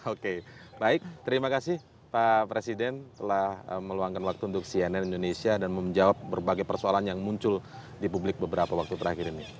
oke baik terima kasih pak presiden telah meluangkan waktu untuk cnn indonesia dan menjawab berbagai persoalan yang muncul di publik beberapa waktu terakhir ini